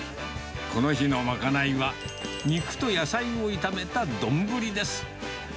この日のまかないは、肉と野菜を炒めた丼です。